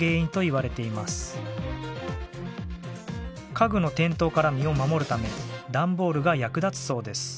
家具の転倒から身を守るため段ボールが役立つそうです。